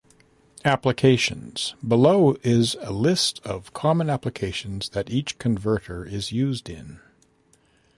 Applications: Below is a list of common applications that each converter is used in.